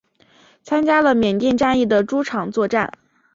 参加了缅甸战役的诸场作战。